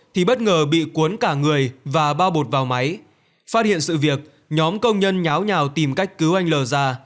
thì bất ngờ bị cuốn cả người và bao bột vào máy phát hiện sự việc nhóm công nhân nháo nhào tìm cách cứu anh lờ già